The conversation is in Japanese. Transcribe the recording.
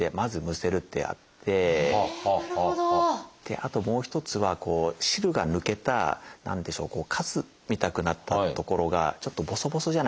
あともう一つは汁が抜けた何でしょうカスみたくなったところがちょっとボソボソじゃないですか。